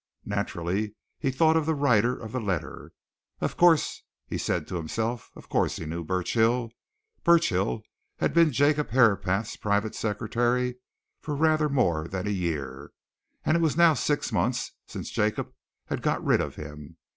Naturally, he thought of the writer of the letter. Of course, he said to himself, of course he knew Burchill. Burchill had been Jacob Herapath's private secretary for rather more than a year, and it was now about six months since Jacob had got rid of him.